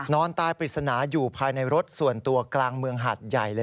นอนตายปริศนาอยู่ภายในรถส่วนตัวกลางเมืองหาดใหญ่เลย